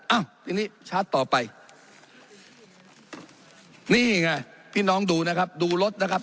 อ้าวทีนี้ชาร์จต่อไปนี่ไงพี่น้องดูนะครับดูรถนะครับ